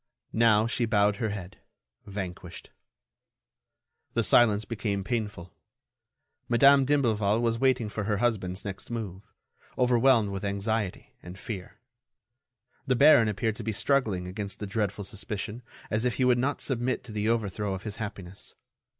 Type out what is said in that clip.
Now, she bowed her head—vanquished. The silence became painful. Madame d'Imblevalle was waiting for her husband's next move, overwhelmed with anxiety and fear. The baron appeared to be struggling against the dreadful suspicion, as if he would not submit to the overthrow of his happiness.